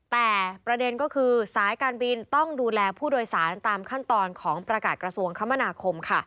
แต่ประเด็นก็คือสายการบินต้องดูแลผู้โดยสารตามขั้นตอนของประกาศกระทรวงคมนาคม